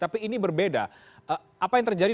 tapi ini berbeda apa yang terjadi